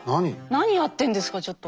何やってんですかちょっと。